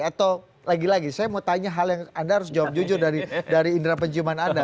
atau lagi lagi saya mau tanya hal yang anda harus jawab jujur dari indera penciuman anda